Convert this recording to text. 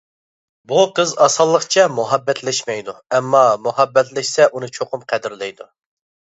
بۇ قىز ئاسانلىقچە مۇھەببەتلەشمەيدۇ، ئەمما مۇھەببەتلەشسە ئۇنى چوقۇم قەدىرلەيدۇ.